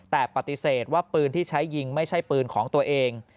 แต่ปฏิเสธว่าปืนที่ใช้ยิงไม่ใช่ปืนของตัวเอง